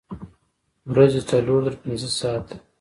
ورځې څلور تر پنځه ساعته